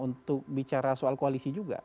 untuk bicara soal koalisi juga